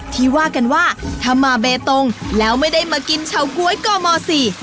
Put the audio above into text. ที่ว่ากันว่าถ้ามาเบตงแล้วไม่ได้มากินเฉาก๊วยก่อมอสี่